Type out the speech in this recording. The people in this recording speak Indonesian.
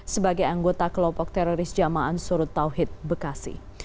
sebagai anggota kelopok teroris jama'an surut tauhid bekasi